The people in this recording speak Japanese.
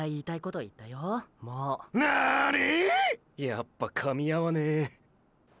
⁉やっぱかみ合わねー。